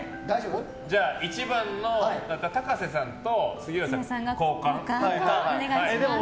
１番の高瀬さんと杉浦さんが交換。